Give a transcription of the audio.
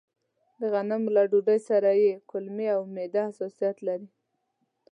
د غنمو له ډوډۍ سره يې کولمې او معده حساسيت لري.